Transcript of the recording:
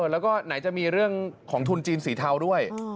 แล้วก็ไหนจะมีเรื่องของทุนจีนสีเทาด้วย